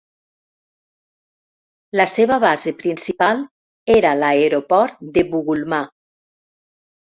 La seva base principal era l'aeroport de Bugulmà.